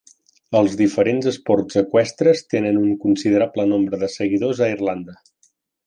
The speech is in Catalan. Els diferents esports eqüestres tenen un considerable nombre de seguidors a Irlanda.